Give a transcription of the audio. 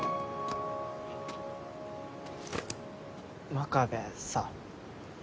真壁さ。